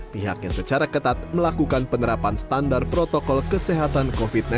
pihaknya secara ketat melakukan penerapan standar protokol kesehatan dan keselamatan